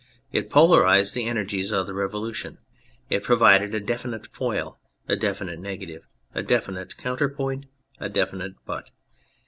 It polarised the energies of the Revolution, it provided a definite foil, a definite negative, a definite counterpoint, a definite butt.